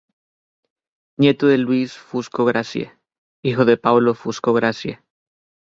Nieto de Luis Fusco Gracie: hijo de Paulo Fusco Gracie